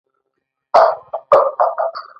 د هغه ساتنه شهزاده خرم ته ور تر غاړه شوه.